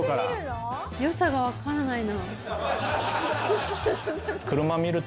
良さが分からないな。